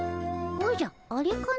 おじゃあれかの。